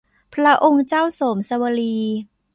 พระองค์เจ้าโสมสวลี